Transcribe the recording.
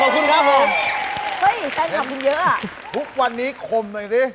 ทุกวันนี้คมไงสิ